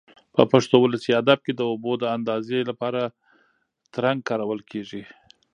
په پښتو ولسي ادب کې د اوبو د اندازې لپاره ترنګ کارول کېږي.